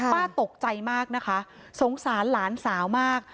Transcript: ป้าตกใจมากนะคะสงสารหลานสาวมาก